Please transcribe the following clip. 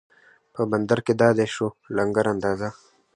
په بندر کې دا دی شو لنګر اندازه